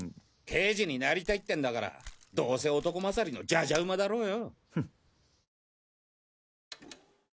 刑事になりたいってんだからどせ男勝りのジャジャ馬だろうよ。